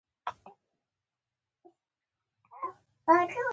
د اوسني مبحث د فرضیو نفي کولو لپاره.